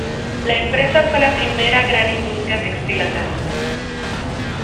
La empresa fue la primera gran industria textil andaluza.